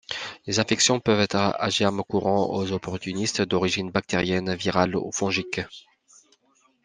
Les infections peuvent être à germes courants ou opportunistes, d'origine bactérienne, virale ou fongique.